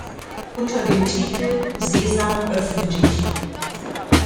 Unter dem Titel "Sesam, öffne dich!